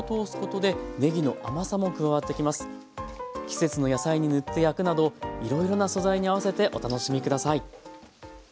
季節の野菜に塗って焼くなどいろいろな素材に合わせてお楽しみ下さい。